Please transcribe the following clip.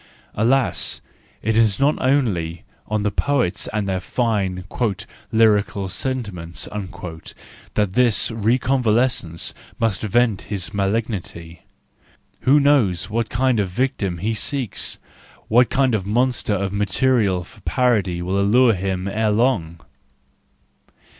—Alas, it is not only on the poets and their fine " lyrical sentiments " that this reconvalescent must vent his malignity: who knows what kind of victim he seeks, what kind of monster of material for parody will allure him ere long?